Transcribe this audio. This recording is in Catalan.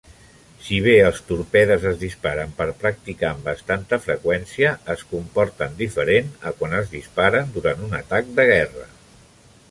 Si bé els torpedes es disparen per practicar amb bastanta freqüència, es comporten diferent a quan es disparen durant un atac de guerra.